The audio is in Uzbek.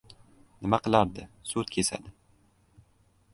— Nima qilardi, sud kesadi.